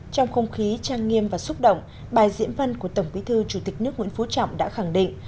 trong không khí trang nghiêm và xúc động bài diễn văn của tổng bí thư chủ tịch nước nguyễn phú trọng đã khẳng định